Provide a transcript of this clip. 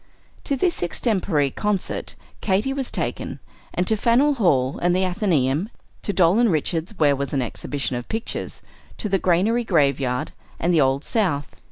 To this extempore concert Katy was taken, and to Faneuil Hall and the Athenaeum, to Doll and Richards's, where was an exhibition of pictures, to the Granary Graveyard, and the Old South.